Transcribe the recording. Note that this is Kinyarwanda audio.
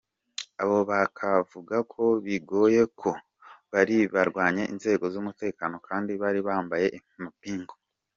Abo bakavuga ko bigoye ko bariburwanye inzego z’umutekano kandi bari bambaye amapingu.